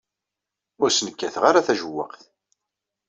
Ur sen-kkateɣ ara tajewwaqt.